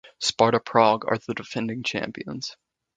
Sparta Prague are the defending champions.